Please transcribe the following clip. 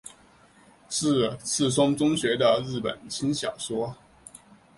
是赤松中学的日本轻小说。